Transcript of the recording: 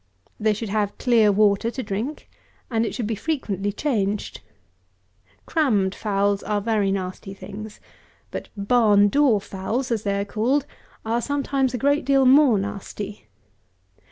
They should have clear water to drink, and it should be frequently changed. Crammed fowls are very nasty things: but "barn door" fowls, as they are called, are sometimes a great deal more nasty.